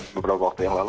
beberapa waktu yang lalu